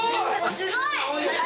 すごい！